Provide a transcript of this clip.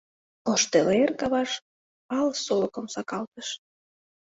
Ош теле эр каваш ал солыкым сакалтыш